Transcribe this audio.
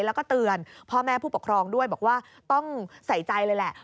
แล้วก็เตือนพ่อแม่ผู้ปกครองด้วยบอกว่าต้องใส่ใจเลยแหละ